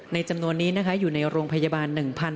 ในจำนวนนี้อยู่ในโรงพยาบาล๑๘๐๐